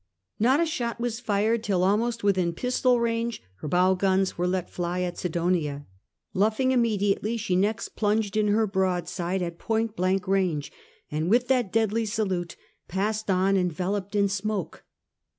Not a shot was fired till almost within pistol range her bow guns were let fly at Sidonia. Luffing im mediately she next plunged in her broadside at point blank range, and with that deadly salute passed on enveloped in smoke.